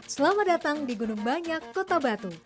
selamat datang di gunung banyak kota batu